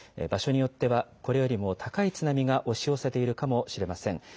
場所によってはこれよりも高い津波が押し寄せているかもしれません。